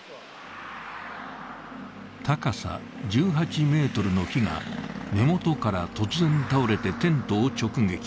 高さ１８ｍの木が根元から突然倒れてテントを直撃。